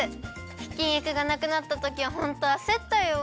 ひきにくがなくなったときはホントあせったよ。